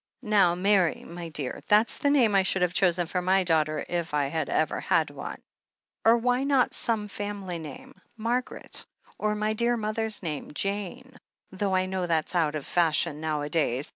"Now, Mary, my dear — ^that's the name I should have chosen for my daughter, if I had ever had one. • 328 THE HEEL OF ACHILLES Or why not some family name — Margaret, or my dear mother's name — ^Jane — ^though I know that's out of fashion nowadays.